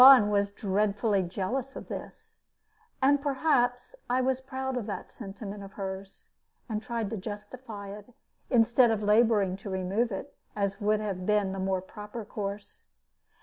Suan was dreadfully jealous of this, and perhaps I was proud of that sentiment of hers, and tried to justify it, instead of laboring to remove it, as would have been the more proper course.